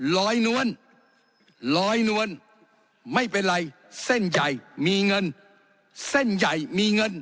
ลอยนวลลอยนวลไม่เป็นไรเส้นใหญ่มีเงินเส้นใหญ่มีเงิน